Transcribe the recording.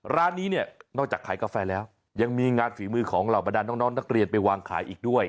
ร้านนี้เนี่ยนอกจากขายกาแฟแล้วยังมีงานฝีมือของเหล่าบรรดาน้องนักเรียนไปวางขายอีกด้วย